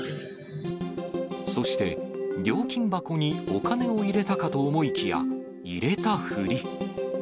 そして、料金箱にお金を入れたかと思いきや、入れたふり。